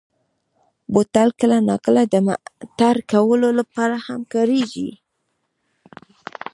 بوتل کله ناکله د معطر کولو لپاره هم کارېږي.